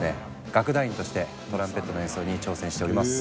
楽団員としてトランペットの演奏に挑戦しております。